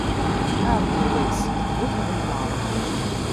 Aɛebbuḍ-is, d bu tɣemmaṛ.